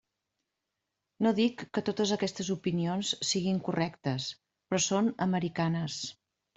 No dic que totes aquestes opinions siguin correctes, però són americanes.